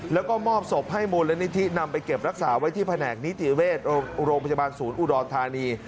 แล้วก็มอบศพให้มูลนิธินำไปเก็บรักษาไว้ที่แผนกนิติเวชโรงพยาบาลศูนย์อุดรธานี